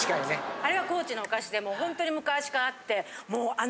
あれは高知のお菓子でもう本当に昔からあってもうあの。